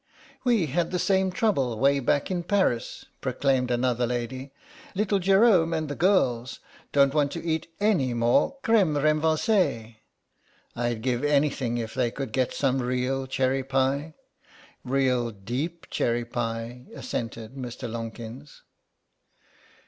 "We had the same trouble way back in Paris," proclaimed another lady; "little Jerome and the girls don't want to eat any more crème renversée. I'd give anything if they could get some real cherry pie." "Real deep cherry pie," assented Mr. Lonkins.